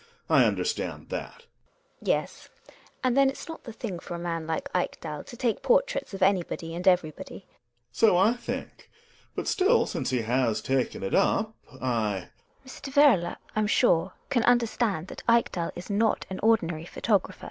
I understand that. GiNA. Yes, and then it's not the thing for a man like Ekdal to take portraits of anybody and everybody. Gregers. So I think, but still, since he has taken it up — I GiNA. Mr. Werle, I'm sure, can understand that Ekdal is not an ordinary photographer.